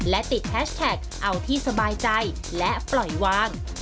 และติดแฮชแท็กเอาที่สบายใจและปล่อยวาง